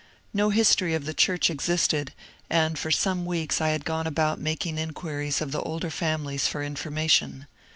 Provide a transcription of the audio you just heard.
No history of the church existed, and for some weeks I had gone about making inquiries of the older families for information.